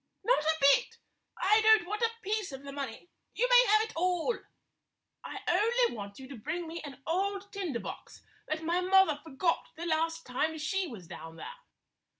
"Not a bit! I don't want a piece of the money. You may have it all. I only want you to bring me an old tinder box that my mother forgot the last time she was down there."